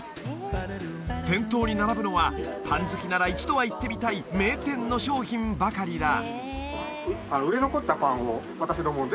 店頭に並ぶのはパン好きなら一度は行ってみたい名店の商品ばかりだ